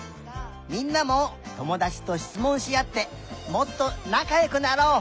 みんなもともだちとしつもんしあってもっとなかよくなろう！